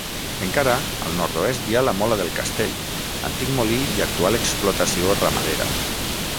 Encara, al nord-oest hi ha la Mola del Castell, antic molí i actual explotació ramadera.